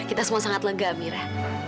kita semua sangat lega mira